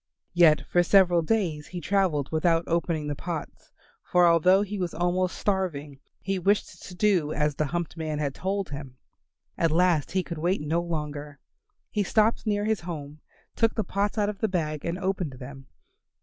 Yet for several days he travelled without opening the pots, for although he was almost starving he wished to do as the humped man had told him. At last he could wait no longer. He stopped near his home, took the pots out of the bag and opened them.